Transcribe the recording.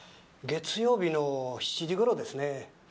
月曜日の７時頃ですね。